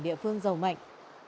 địa phương giàu mạnh